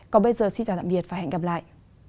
còn bây giờ xin chào tạm biệt và hẹn gặp lại